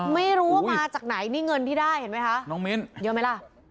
ไม่รู้ว่ามาจากไหนนี่เงินที่ได้เห็นไหมคะน้องมิ้นเยอะไหมล่ะ